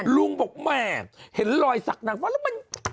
ลุงบอกแหมเห็นรอยสักนางฟ้าแล้วมัน